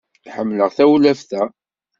Ḥemmleɣ tawlaft-a.